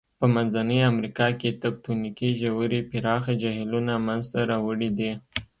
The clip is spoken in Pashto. په منځنۍ امریکا کې تکتونیکي ژورې پراخه جهیلونه منځته راوړي دي.